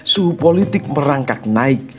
suhu politik merangkak naik